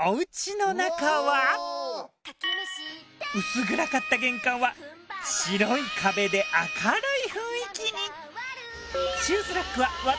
薄暗かった玄関は白い壁で明るい雰囲気に。